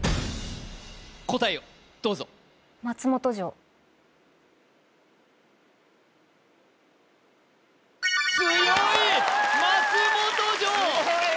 答えをどうぞ強い松本城わあ！